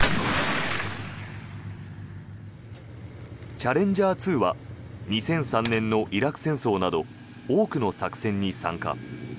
チャレンジャー２は２００３年のイラク戦争など多くの作戦に参加。